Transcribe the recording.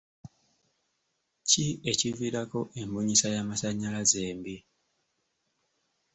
Ki ekiviirako embunyisa y'amasannyalaze embi?